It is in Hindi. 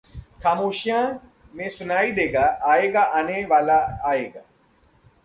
'खामोशियां' में सुनाई देगा 'आएगा... आने वाला आएगा'